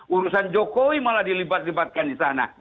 urusan jokowi malah dilibat libatkan di sana